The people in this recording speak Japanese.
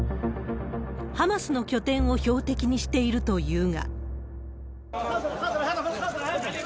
ハマスの拠点を標的にしているというが。